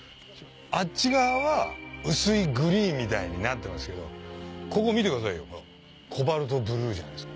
あっち側は薄いグリーンみたいになってますけどここ見てくださいよコバルトブルーじゃないですか。